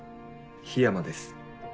緋山です。